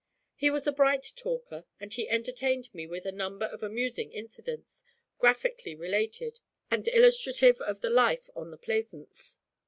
He was a bright talker, and he entertained me with a number of amusing incidents, graphically related, and illustrative of the life of the Plaisance.